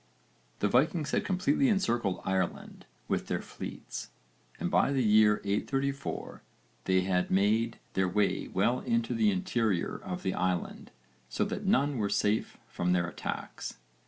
The Vikings had completely encircled Ireland with their fleets and by the year 834 they had made their way well into the interior of the island so that none were safe from their attacks.